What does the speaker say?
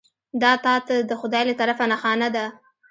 دا تا ته د خدای له طرفه نښانه ده .